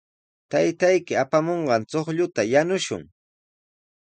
Taytayki apamunqan chuqlluta yanushun.